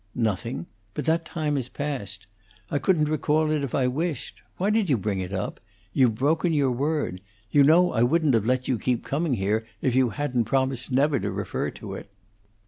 "Nothing. But that time is past. I couldn't recall it if I wished. Why did you bring it up? You've broken your word. You know I wouldn't have let you keep coming here if you hadn't promised never to refer to it."